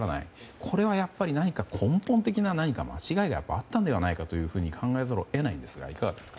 これは、何か根本的な間違いがあったのではないかと考えざるを得ないんですがいかがですか。